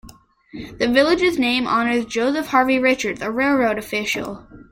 The village's name honors Joseph Harvey Richards, a railroad official.